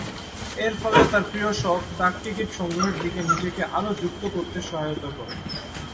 এরফলে, তার প্রিয় শখ ডাকটিকিট সংগ্রহের দিকে নিজেকে আরও যুক্ত করতে সহায়তা করে।